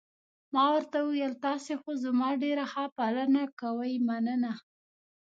ما ورته وویل: تاسي خو زما ډېره ښه پالنه کوئ، مننه.